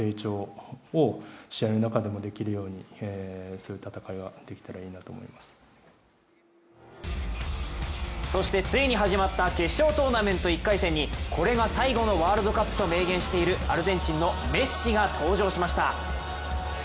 そして、森保監督はそしてついに始まった決勝トーナメント１回戦に、これが最後のワールドカップと明言しているアルゼンチンのメッシが登場しました。